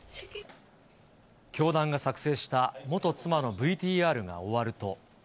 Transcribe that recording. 教団が作成した元妻のＶＴＲが終わると。